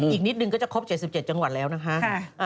อีกนิดนึงก็จะครบ๗๗จังหวัดแล้วนะคะ